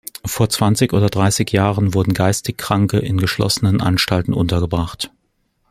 Vor zwanzig oder dreißig Jahren wurden geistig Kranke in geschlossenen Anstalten untergebracht.